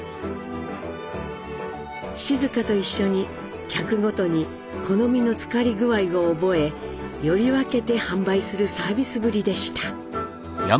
静香と一緒に客ごとに好みの漬かり具合を覚えより分けて販売するサービスぶりでした。